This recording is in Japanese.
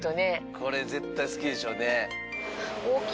これ絶対好きでしょうね。